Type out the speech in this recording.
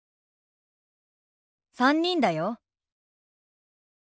３人だよ。